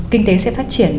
kinh tế sẽ phát triển